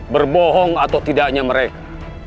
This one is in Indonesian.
berbohong atau tidaknya mereka